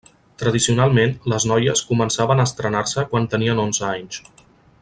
Tradicionalment, les noies començaven a entrenar-se quan tenien onze anys.